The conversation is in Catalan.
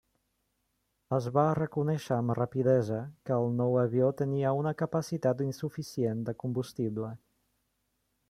Es va reconèixer amb rapidesa que el nou avió tenia una capacitat insuficient de combustible.